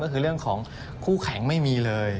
ก็คือเรื่องของคู่แข่งไม่มีเลย